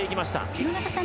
廣中さん